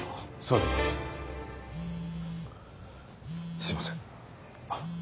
すいません。